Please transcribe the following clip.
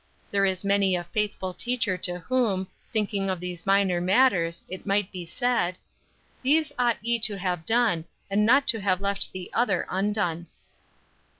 There is many a faithful teacher to whom, thinking of these minor matters, it might be said: "These ought ye to have done, and not to have left the other undone."